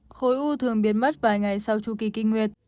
khối u thường biến mất vài ngày sau chu kỳ kinh nguyệt